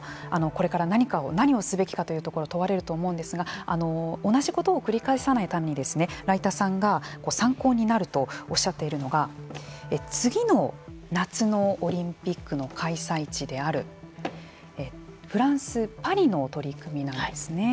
これから何をすべきかというところを問われると思うんですが同じことを繰り返さないために來田さんが参考になるとおっしゃっているのが次の夏のオリンピックの開催地であるフランス・パリの取り組みなんですね。